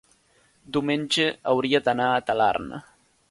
diumenge hauria d'anar a Talarn.